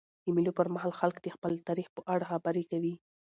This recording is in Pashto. د مېلو پر مهال خلک د خپل تاریخ په اړه خبري کوي.